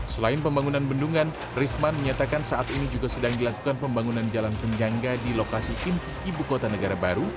selain pembangunan bendungan risman menyatakan saat ini juga sedang dilakukan pembangunan jalan penyangga di lokasi inti ibu kota negara baru